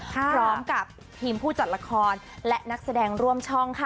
พร้อมกับทีมผู้จัดละครและนักแสดงร่วมช่องค่ะ